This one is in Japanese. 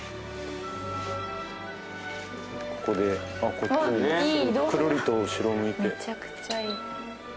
ここでくるりと後ろを向いて。